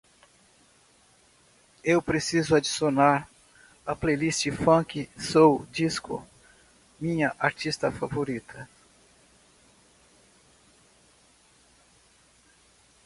Eu preciso adicionar à playlist funk soul disco minha artista favorita